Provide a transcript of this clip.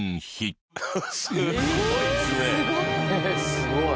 すごい。